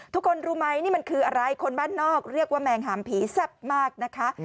ทุกคนรู้ไหมนี่มันคืออะไรคนบ้านนอกเรียกว่าแมงหามผีแซ่บมากนะคะ